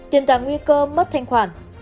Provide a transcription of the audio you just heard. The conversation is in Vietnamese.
tiềm tàng nguy cơ mất thanh khoản